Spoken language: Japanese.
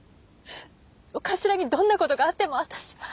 お頭にどんな事があっても私は！